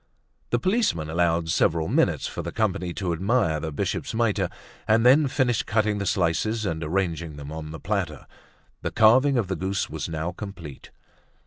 The policeman allowed several minutes for the company to admire the bishop's mitre and then finished cutting the slices and arranging them on the platter. The carving of the goose was now complete.